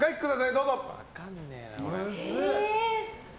どうぞ。